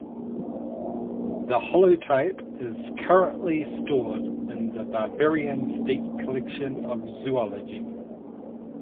The holotype is currently stored in the Bavarian State Collection of Zoology.